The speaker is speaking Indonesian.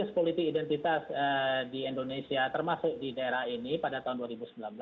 kualitas politik identitas di indonesia termasuk di daerah ini pada tahun dua ribu sembilan belas